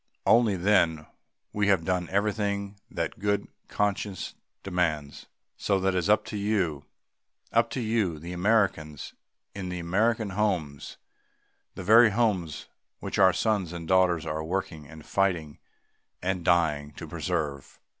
Only then have we done everything that good conscience demands. So it is up to you up to you, the Americans in the American homes the very homes which our sons and daughters are working and fighting and dying to preserve.